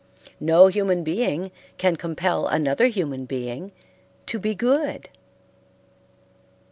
No human being can compel another human being to be good.